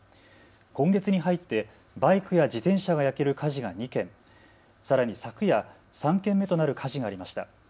今月に入ってバイクや自転車が焼ける火事が２件、さらに昨夜３件目となる火事がありました。